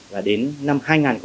và đến năm hai nghìn hai mươi hai